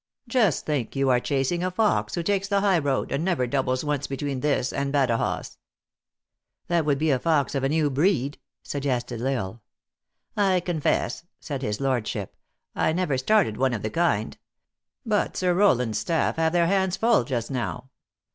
Just think you are chasing a fox, who takes the high road, and never doubles once between this and Badajoz." 326 THE ACTRESS IN HIGH LIFE. " That would be a fox of a new breed," suggested L Isle. " I confess," said his lordship, " I never started one of the kind. But Sir Rowland s staff have their hands full just now.